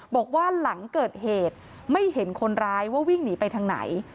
บอกว่าหลังเกิดเหตุไม่เห็นคนร้ายว่าวิ่งหนีไปทางไหน